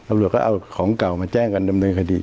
ตำรวจก็เอาของเก่ามาแจ้งกันดำเนินคดี